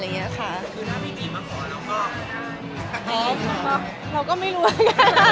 เราก็ไม่รู้เลย